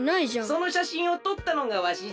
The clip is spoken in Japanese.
そのしゃしんをとったのがわしじゃ。